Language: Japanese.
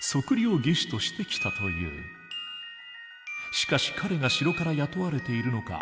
しかし彼が城から雇われているのか